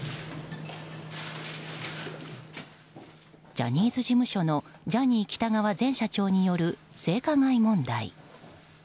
ジャニーズ事務所のジャニー喜多川前社長による性加害問題。